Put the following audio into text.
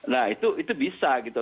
nah itu bisa gitu